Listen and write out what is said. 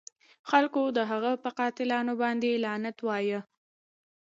خلکو د هغه په قاتلانو باندې لعنت وایه.